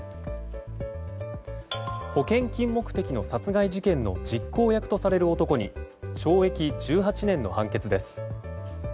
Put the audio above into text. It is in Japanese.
保険金目的の殺害事件の実行役とされる男に懲役１８年の判決です。